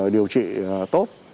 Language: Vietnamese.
điều trị tốt